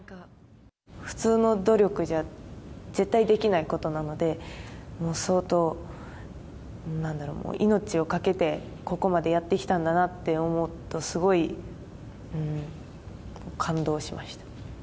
普通の努力じゃ絶対できないことなので、もう相当、なんだろう、もう、命を懸けて、ここまでやってきたんだなって思うと、すごい感動しました。